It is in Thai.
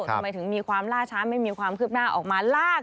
ทำไมถึงมีความล่าช้าไม่มีความคืบหน้าออกมาลาก